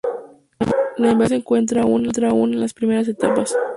La investigación se encuentra aún en las primeras etapas.